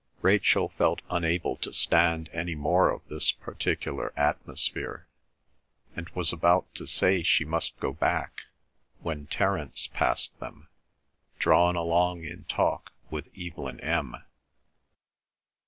Rachel felt unable to stand any more of this particular atmosphere, and was about to say she must go back, when Terence passed them, drawn along in talk with Evelyn M.